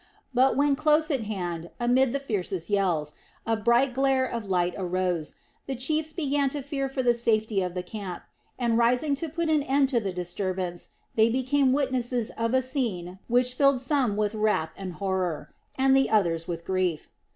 But when close at hand, amid the fiercest yells, a bright glare of light arose, the chiefs began to fear for the safety of the camp, and rising to put an end to the disturbance, they became witnesses of a scene which filled some with wrath and horror, and the others with grief.